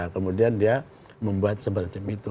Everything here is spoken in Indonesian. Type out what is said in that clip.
kemudian dia membuat semacam itu